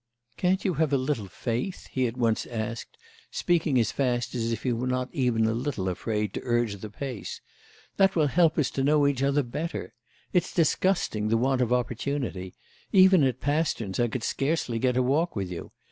"Can't you have a little faith?" he at once asked, speaking as fast as if he were not even a little afraid to urge the pace. "That will help us to know each other better. It's disgusting, the want of opportunity; even at Pasterns I could scarcely get a walk with you.